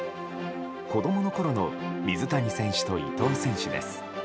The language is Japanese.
子供のころの水谷選手と伊藤選手です。